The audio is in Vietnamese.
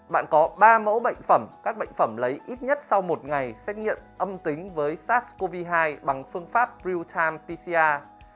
bạn có ba mẫu bệnh phẩm các bệnh phẩm lấy ít nhất sau một ngày xét nghiệm âm tính với sars cov hai bằng phương pháp real time pcr